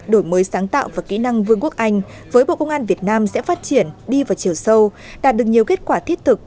đổi mới sáng tạo và kỹ năng vương quốc anh với bộ công an việt nam sẽ phát triển đi vào chiều sâu đạt được nhiều kết quả thiết thực